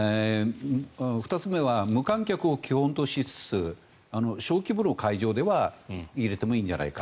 ２つ目は無観客を基本としつつ小規模の会場では入れてもいいんじゃないか。